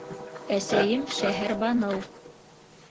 Әсәйем - Шәһәрбаныу.